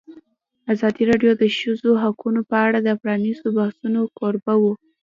ازادي راډیو د د ښځو حقونه په اړه د پرانیستو بحثونو کوربه وه.